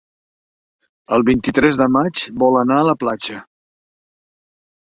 El vint-i-tres de maig vol anar a la platja.